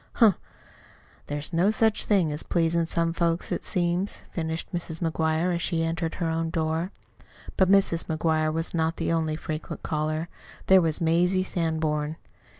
Humph! There's no such thing as pleasin' some folks, it seems!" finished Mrs. McGuire as she entered her own door. But Mrs. McGuire was not the only frequent caller. There was Mazie Sanborn.